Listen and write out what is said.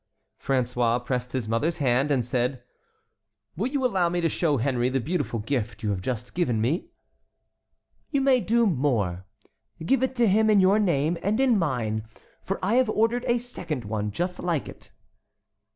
François pressed his mother's hand, and said: "Will you allow me to show Henry the beautiful gift you have just given me?" "You may do more. Give it to him in your name and in mine, for I have ordered a second one just like it."